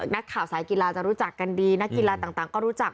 นักข่าวสายกีฬาจะรู้จักกันดีนักกีฬาต่างก็รู้จัก